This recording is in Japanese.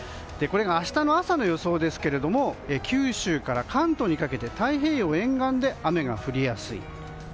明日の朝の予想ですが九州から関東にかけて太平洋沿岸で雨が降りやすい。